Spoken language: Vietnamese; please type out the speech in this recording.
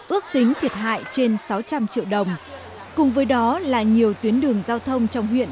ước tính thiệt hại trên sáu trăm linh triệu đồng cùng với đó là nhiều tuyến đường giao thông trong huyện